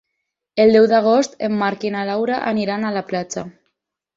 El deu d'agost en Marc i na Laura iran a la platja.